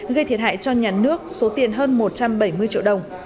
gây thiệt hại cho nhà nước số tiền hơn một trăm bảy mươi triệu đồng